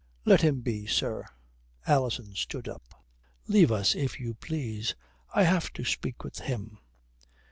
"Let him be, sir," Alison stood up. "Leave us, if you please, I have to speak with him."